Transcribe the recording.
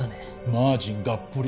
マージンがっぽり。